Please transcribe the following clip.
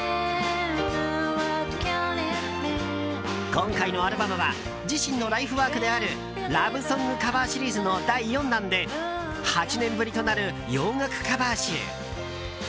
今回のアルバムは自身のライフワークであるラヴ・ソング・カヴァー・シリーズの第４弾で８年ぶりとなる洋楽カバー集。